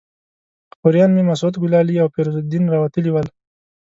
خوریان مې مسعود ګلالي او فیروز الدین راوتلي ول.